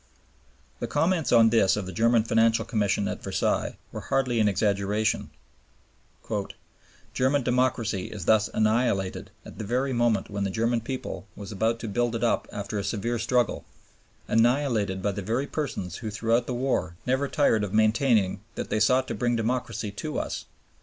The comments on this of the German Financial Commission at Versailles were hardly an exaggeration: "German democracy is thus annihilated at the very moment when the German people was about to build it up after a severe struggle annihilated by the very persons who throughout the war never tired of maintaining that they sought to bring democracy to us....